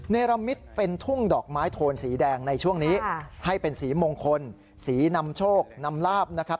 เนรมิตเป็นทุ่งดอกไม้โทนสีแดงในช่วงนี้ให้เป็นสีมงคลสีนำโชคนำลาบนะครับ